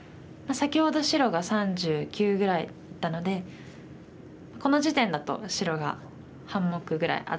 先ほど白が３９ぐらいだったのでこの時点だと白が半目ぐらい厚そうで。